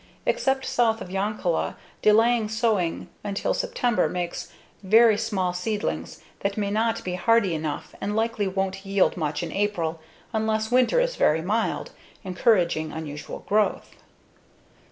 Except south of Yoncalla, delaying sowing until September makes very small seedlings that may not be hardy enough and likely won't yield much in April unless winter is very mild, encouraging unusual growth.